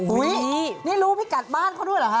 อุ๊ยนี่รู้พี่กัดบ้านเขาด้วยเหรอคะ